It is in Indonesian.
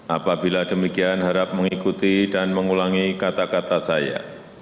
apabila demikian harap mengikuti dan mengulangi kata kata saya